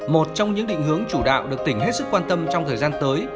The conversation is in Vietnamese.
một trong những định hướng chủ đạo được tỉnh hết sức quan tâm trong thời gian tới